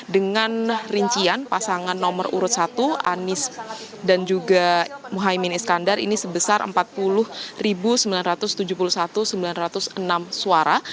dengan rincian pasangan nomor urut satu anies dan juga muhaymin iskandar ini sebesar empat puluh sembilan ratus tujuh puluh satu sembilan ratus enam suara